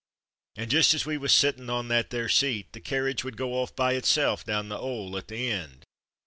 And just as we was sittin' on that there seat, the carriage would go off by itself down the 'ole at the end.